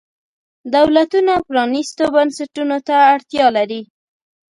دولتونه پرانیستو بنسټونو ته اړتیا لري.